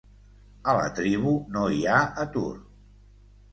A la tribu no hi ha atur.